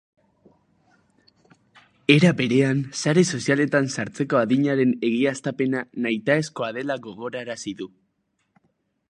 Era berean, sare sozialetan sartzeko adinaren egiaztapena nahitaezkoa dela gogorarazi du.